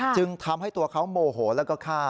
จึงทำให้ตัวเขาโมโหแล้วก็ฆ่า